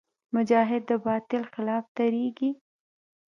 مجاهد د باطل خلاف ودریږي.